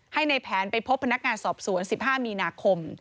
ให้ในแผนไปพบพนักงานสอบสวน๑๕มีนาคม